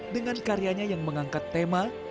dengan karyanya yang mengangkat tema